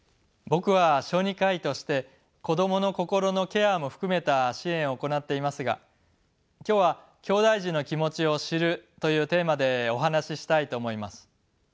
僕は小児科医として子どもの心のケアも含めた支援を行っていますが今日はきょうだい児の気持ちを知るというテーマでお話ししたいと思います。